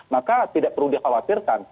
maka tidak perlu dikhawatirkan